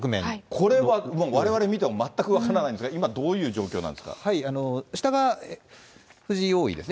これは、われわれ見ても全く分からないんですが、今どういう状況下が藤井王位ですね。